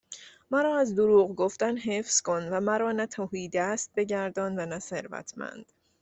مرا از دروغ گفتن حفظ کن و مرا نه تهیدست بگردان و نه ثروتمند